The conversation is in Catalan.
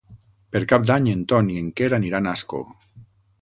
Per Cap d'Any en Ton i en Quer aniran a Ascó.